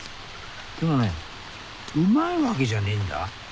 でもねうまいわけじゃねえんだ。